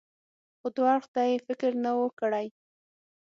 خو دو اړخ ته يې فکر نه و کړى.